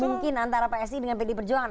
mungkin antara psi dengan pd perjuangan